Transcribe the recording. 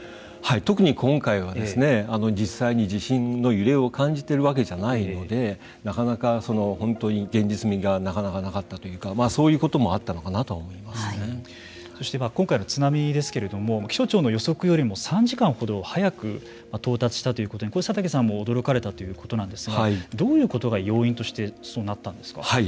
特に今回は実際に地震の揺れを感じているわけじゃないのでなかなか本当に現実味がなかったというかそういうこともあったのかなとそして今回の津波ですけれども気象庁の予測よりも３時間ほど早く到達したということでこれは佐竹さんも驚かれたということですがどういうことが要因としてそうなったんですか。